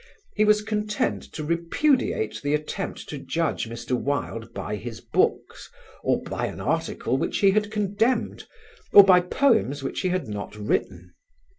He was content to repudiate the attempt to judge Mr. Wilde by his books or by an article which he had condemned, or by poems which he had not written.